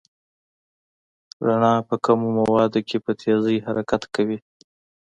رڼا په کمو موادو کې په تېزۍ حرکت کوي.